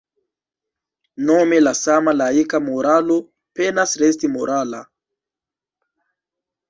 Nome la sama laika moralo penas resti morala.